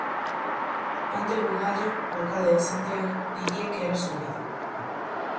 Onte Bugallo, o alcalde de Santiago, dicía que era sólido.